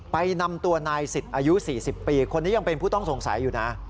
ไปนำตัวนายสิทธิ์อายุ๔๐ปีคนนี้ยังเป็นผู้ต้องสงสัยอยู่นะ